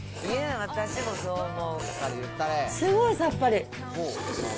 すごいさっぱり。